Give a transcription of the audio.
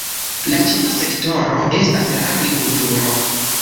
La ĉefa sektoro estas la agrikulturo.